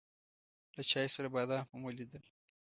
له چای سره بادام هم وليدل.